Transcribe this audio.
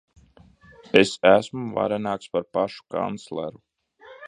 Es esmu varenāks par pašu kancleru.